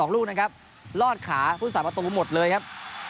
ลูกนะครับลอดขาพุทธศาสประตูหมดเลยครับ